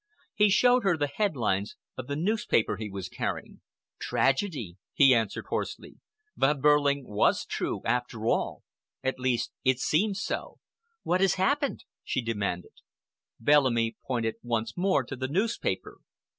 He showed her the headlines of the newspaper he was carrying. "Tragedy!" he answered hoarsely. "Von Behrling was true, after all,—at least, it seems so." "What has happened?" she demanded. Bellamy pointed once more to the newspaper.